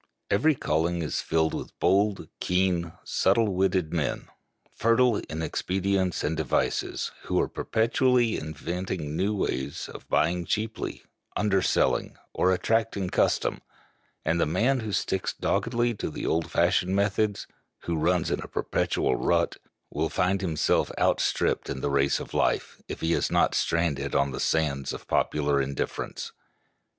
Every calling is filled with bold, keen, subtle witted men, fertile in expedients and devices, who are perpetually inventing new ways of buying cheaply, underselling, or attracting custom; and the man who sticks doggedly to the old fashioned methods—who runs in a perpetual rut—will find himself outstripped in the race of life, if he is not stranded on the sands of popular indifference.